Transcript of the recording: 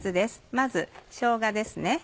まずしょうがです。